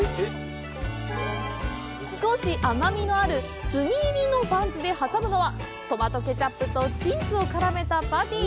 少し甘みのある炭入りのバンズで挟むのはトマトケチャップとチーズを絡めたパティ。